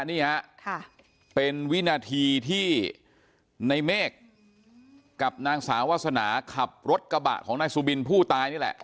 นี่ฮะเป็นวินาทีที่ในเมฆกับนางสาววาสนาขับรถกระบะของนายสุบินผู้ตายนี่แหละ